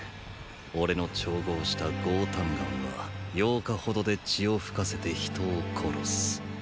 俺の調合した「轟丹丸」は八日ほどで血を吹かせて人を殺す。